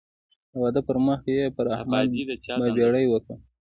د واده پر ورځ یې پر احمد بابېړۍ وکړ.